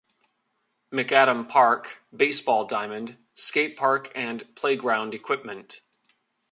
McAdam Park - Baseball diamond, Skatepark and playground equipment.